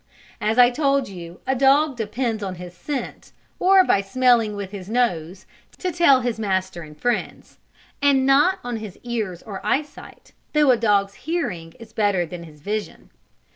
As I told you a dog depends on his scent, or by smelling with his nose, to tell his master and friends, and not on his ears or eyesight, though a dog's hearing is better than his vision.